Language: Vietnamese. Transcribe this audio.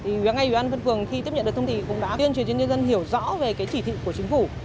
ngày ngày người dân phân phường khi tiếp nhận được thông tin cũng đã tuyên truyền cho nhân dân hiểu rõ về cái chỉ thị của chính phủ